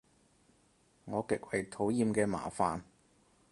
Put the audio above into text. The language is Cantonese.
我極為討厭嘅麻煩